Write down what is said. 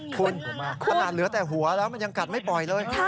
คุณขนาดเหลือแต่หัวแล้วมันยังกัดไม่ปล่อยเลย